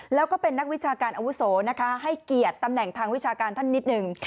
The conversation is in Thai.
แล้วก็เป็นนักวิชาการอาวุโสนะคะให้เกียรติตำแหน่งทางวิชาการท่านนิดหนึ่ง